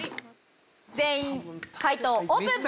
全員解答オープン！